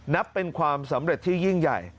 นับเป็นความสำเร็จที่ยิ่งใหญ่